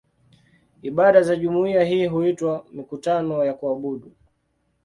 Ibada za jumuiya hii huitwa "mikutano ya kuabudu".